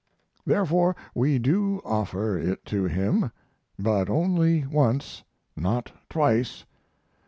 Therefore we do offer it to him; but only once, not twice.